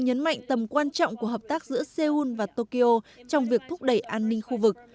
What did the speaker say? nhấn mạnh tầm quan trọng của hợp tác giữa seoul và tokyo trong việc thúc đẩy an ninh khu vực